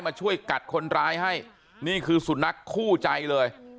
ช่วยกัดคนร้ายให้นี่คือสุนัขคู่ใจเลย